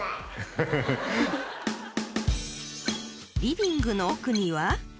［リビングの奥には］